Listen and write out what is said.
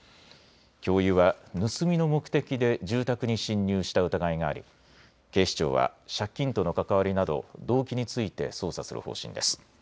教諭は盗みの目的で住宅に侵入した疑いがあり警視庁は借金との関わりなど動機について捜査する方針です。